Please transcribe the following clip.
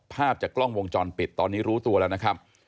ภาพจากกล้องวงจรปิดตอนนี้รู้ตัวแล้วนะครับ